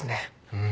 うん。